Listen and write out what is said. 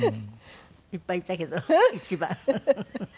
いっぱいいたけど一番。